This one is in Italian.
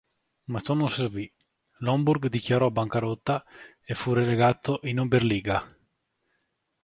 Ma ciò non servì: l'Homburg dichiarò bancarotta e fu relegato in Oberliga.